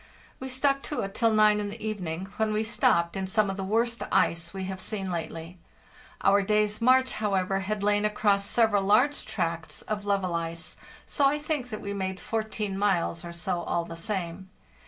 We stuck to it till nine in the evening, when we stopped in some of the WE SAY GOOD BYE TO THE "FRAM" 143 worst ice we have seen lately. Our day's march, how ever, had lain across several large tracts of level ice, so I think that we made 14 miles or so all the same.